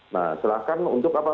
nah silahkan untuk apa